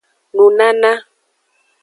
Nunana.